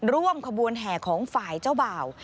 ร่วมขบวนแห่ของฝ่ายเจ้าบ่าว